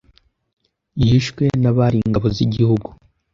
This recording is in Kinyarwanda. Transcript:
yishwe n’abari ingabo z’igihugu.